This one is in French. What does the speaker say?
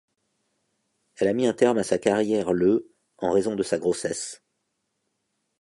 Elle a mis un terme à sa carrière le en raison de sa grossesse.